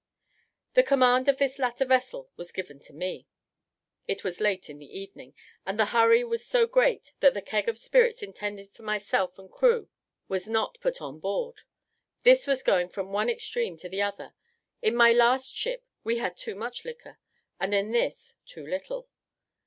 The command of this latter vessel was given to me it was late in the evening, and the hurry was so great that the keg of spirits intended for myself and crew was not put on board. This was going from one extreme to the other; in my last ship we had too much liquor, and in this too little.